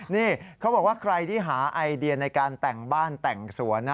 นี่เขาบอกว่าใครที่หาไอเดียในการแต่งบ้านแต่งสวนนะ